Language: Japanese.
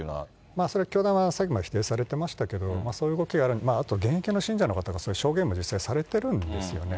それは教団が、さっきも否定されてましたけど、そういう動きがある、現役の信者の方がそれ、証言を実際にされているんですよね。